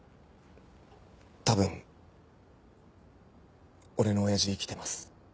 多分俺の親父生きてます。